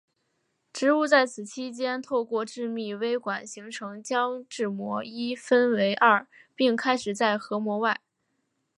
植物在此期间透过致密微管形成将质膜一分为二并开始在核膜外。